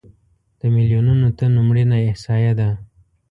د میلیونونو تنو مړینه احصایه ده.